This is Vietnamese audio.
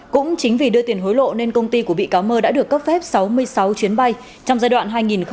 cũng chính vì đưa tiền hối lộ nên công ty của bị cáo mơ đã được cấp phép sáu mươi sáu chuyến bay trong giai đoạn hai nghìn một mươi chín hai nghìn hai mươi một